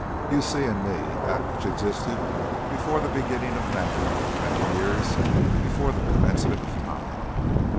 You see in me that which existed before the beginning of matter many years before the commencement of time.